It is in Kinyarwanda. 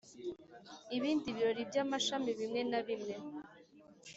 ibindi biro by amashami bimwe na bimwe